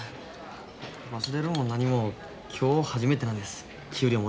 忘れるも何も今日初めてなんです給料もらうの。